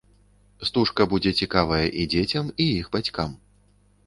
Стужка будзе цікавая і дзецям, і іх бацькам.